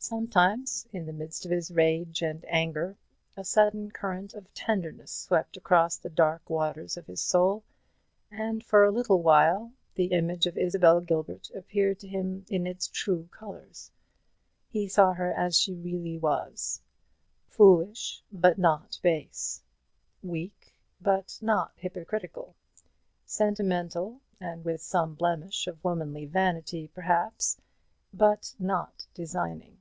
Sometimes in the midst of his rage and anger a sudden current of tenderness swept across the dark waters of his soul, and for a little while the image of Isabel Gilbert appeared to him in its true colours. He saw her as she really was: foolish, but not base; weak, but not hypocritical; sentimental, and with some blemish of womanly vanity perhaps, but not designing.